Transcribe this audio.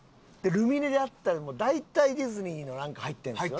ルミネで会ったら大体ディズニーの何か入ってるんですよね。